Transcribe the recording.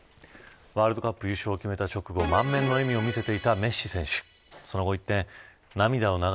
ワールドカップ優勝を決めた直後満面の笑みを見せていたメッシ選手。